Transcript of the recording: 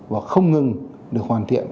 và không ngừng được hoàn thiện